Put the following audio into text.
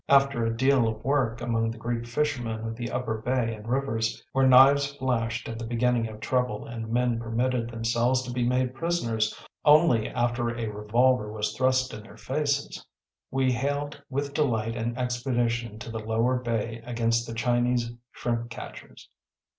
After a deal of work among the Greek fishermen of the Upper Bay and rivers, where knives flashed at the beginning of trouble and men permitted themselves to be made prisoners only after a revolver was thrust in their faces, we hailed with delight an expedition to the Lower Bay against the Chinese shrimp catchers.